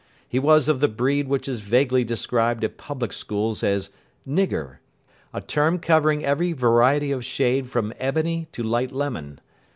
He was of the breed which is vaguely described at public schools as "nigger", a term covering every variety of shade from ebony to light lemon.